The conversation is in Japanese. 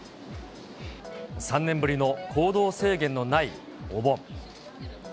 ３年ぶりの行動制限のないお盆。